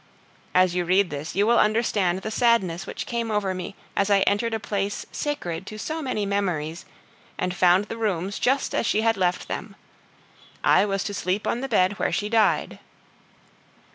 As you read this, you will understand the sadness which came over me as I entered a place sacred to so many memories, and found the rooms just as she had left them! I was to sleep in the bed where she died.